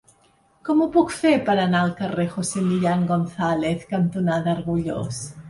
Com ho puc fer per anar al carrer José Millán González cantonada Argullós?